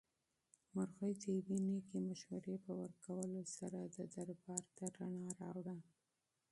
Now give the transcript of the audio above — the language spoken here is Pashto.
مرغۍ د یوې نېکې مشورې په ورکولو سره دربار ته رڼا راوړه.